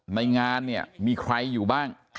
ในงานเนี่ยมีใครอยู่บ้าง